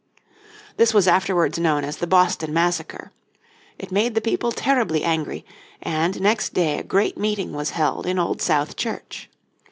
This was afterwards known as the Boston Massacre. It made the people terribly angry, and next day a great meeting was held in Old South Church.